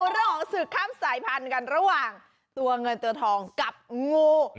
เรื่องของศึกข้ามสายพันธุ์กันระหว่างตัวเงินตัวทองกับงู